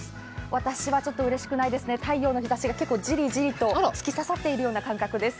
私はちょっとうれしくないですね、太陽の日ざしが結構ジリジリと突き刺さっている感覚です。